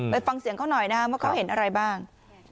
ฟังเสียงเขาหน่อยนะครับว่าเขาเห็นอะไรบ้าง